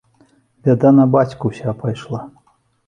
Бяда на бацьку ўся пайшла.